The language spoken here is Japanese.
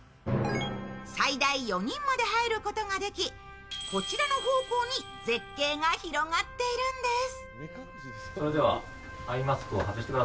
最大４人まで入ることができ、こちらの方向に絶景が広がっているんです。